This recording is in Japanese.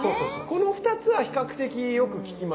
この２つは比較的よく聞きますね。